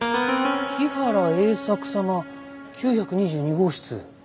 日原英策様９２２号室。